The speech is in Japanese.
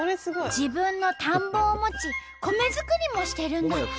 自分の田んぼを持ち米作りもしてるんだって。